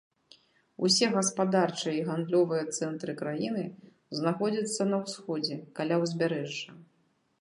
Усе гаспадарчыя і гандлёвыя цэнтры краіны знаходзяцца на ўсходзе, каля ўзбярэжжа.